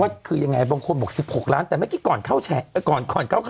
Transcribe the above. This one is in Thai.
ว่าคือยังไงบางคนบอก๑๖ล้านแต่เมื่อกี๊ก่อนเข้าใคร